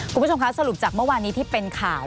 คุณผู้ชมคะสรุปจากเมื่อวานนี้ที่เป็นข่าว